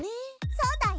そうだよ！